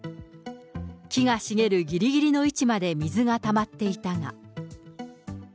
木が茂るぎりぎりの位置まで水がたまっていたが。